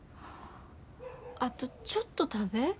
あとちょっと食べ。